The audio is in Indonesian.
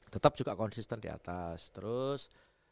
tetap juga konsisten di atas terus